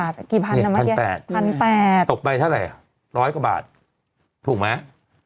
ต่อไปเท่าไหร่๑๐๐กว่าบาทถูกไหม